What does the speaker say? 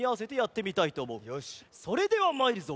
それではまいるぞ。